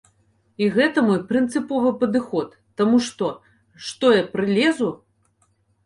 І гэта мой прынцыповы падыход, таму што, што я прылезу?